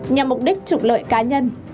nhằm mục đích trục lợi cá nhân